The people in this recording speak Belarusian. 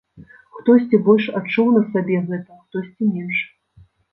Хтосьці больш адчуў на сабе гэта, хтосьці менш.